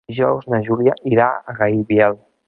Dijous na Júlia irà a Gaibiel.